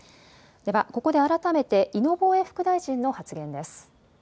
ではここで改めて、井野防衛副大臣の発言です。